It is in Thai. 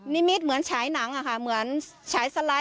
นิมิตเหมือนฉายหนังอะค่ะเหมือนฉายสไลด์